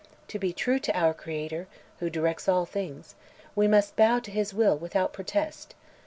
To be true to our Creator, who directs all things, we must bow to His will without protest.